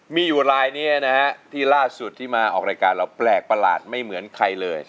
มีอยู่ลายนี้นะฮะที่ล่าสุดที่มาออกรายการเราแปลกประหลาดไม่เหมือนใครเลย